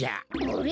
あれ？